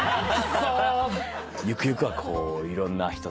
ゆくゆくはこういろんな人と。